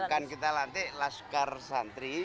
akan kita lantik laskar santri